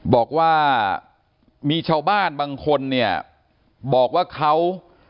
บอกว่ามีชาวบ้านบางคนเนี่ยบอกว่าเขา